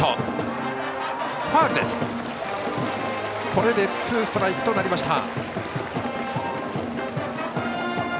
これでツーストライクとなりました。